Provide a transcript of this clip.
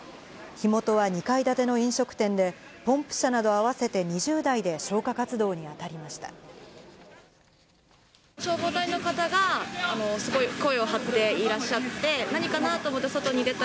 火元は２階建ての飲食店で、ポンプ車など合わせて２０台で消火活動に当たりました。